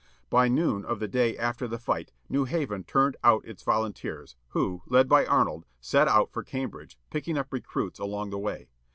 By noon of the day after the fight New Haven turned out its volunteers, who, led by Arnold, set out for Cambridge, picking up recruits along the way.